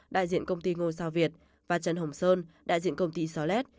đại diện công ty ngôi sao việt và trần hồng sơn đại diện công ty solet